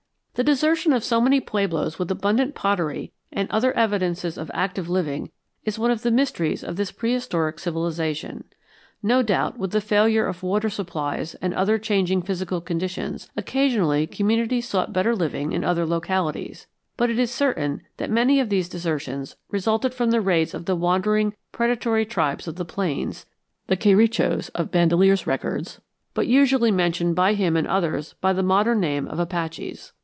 The desertion of so many pueblos with abundant pottery and other evidences of active living is one of the mysteries of this prehistoric civilization. No doubt, with the failure of water supplies and other changing physical conditions, occasionally communities sought better living in other localities, but it is certain that many of these desertions resulted from the raids of the wandering predatory tribes of the plains, the Querechos of Bandelier's records, but usually mentioned by him and others by the modern name of Apaches.